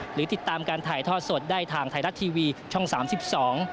หรือติดตามการถ่ายทอดสดได้ทางไทยรัฐทีวีช่องสามสิบสอง